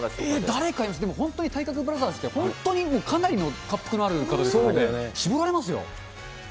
誰か、本当に体格ブラザーズって、本当にかなりの恰幅のある方ですからね、絞られますよ。